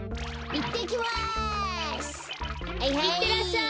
いってらっしゃい。